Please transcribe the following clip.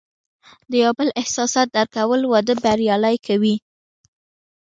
د یو بل احساسات درک کول، واده بریالی کوي.